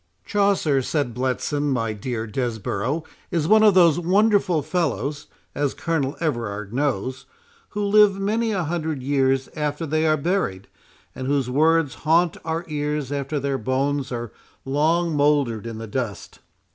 "Chaucer," said Bletson, "my dear Desborough, is one of those wonderful fellows, as Colonel Everard knows, who live many a hundred years after they are buried, and whose words haunt our ears after their bones are long mouldered in the dust."